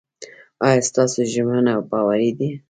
ایا ستاسو ژمنه باوري ده؟